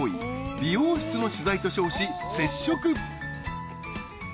美容室の取材と称し接触